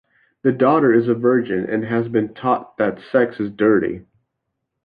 The daughter is a virgin and has been taught that sex is dirty.